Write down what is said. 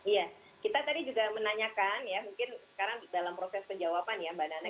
iya kita tadi juga menanyakan ya mungkin sekarang dalam proses penjawaban ya mbak nana